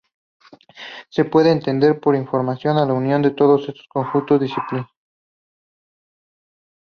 Se puede entender por informática a la unión de todo este conjunto de disciplinas.